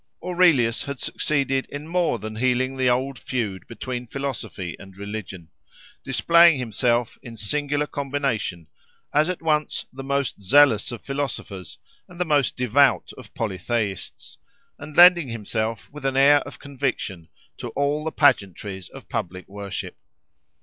Aurelius had succeeded in more than healing the old feud between philosophy and religion, displaying himself, in singular combination, as at once the most zealous of philosophers and the most devout of polytheists, and lending himself, with an air of conviction, to all the pageantries of public worship.